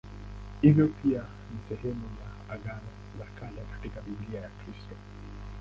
Hivyo ni pia sehemu ya Agano la Kale katika Biblia ya Kikristo.